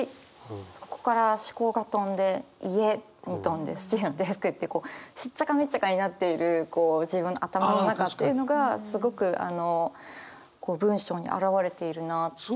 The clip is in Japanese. そこから思考が飛んで家に飛んでスチールのデスク行ってこうしっちゃかめっちゃかになっているこう自分の頭の中っていうのがすごくあの文章に表われているなって。